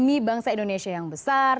demi bangsa indonesia yang besar